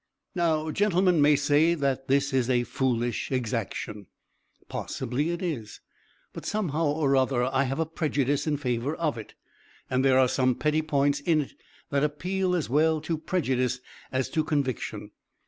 "Now, gentlemen may say that this is a foolish exaction. Possibly it is. But somehow or other I have a prejudice in favor of it. And there are some petty points in it that appeal as well to prejudice as to conviction.